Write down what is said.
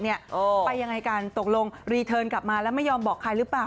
ไปยังไงกันตกลงรีเทิร์นกลับมาแล้วไม่ยอมบอกใครหรือเปล่า